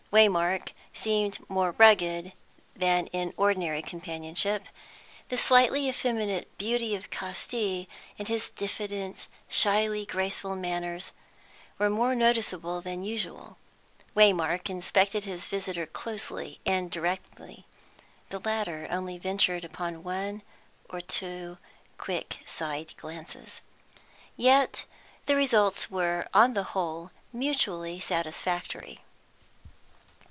Waymark seemed more rugged than in ordinary companionship; the slightly effeminate beauty of Casti, and his diffident, shyly graceful manners, were more noticeable than usual. Waymark inspected his visitor closely and directly; the latter only ventured upon one or two quick side glances. Yet the results were, on the whole, mutually satisfactory.